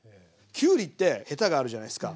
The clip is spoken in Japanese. きゅうりってヘタがあるじゃないですか。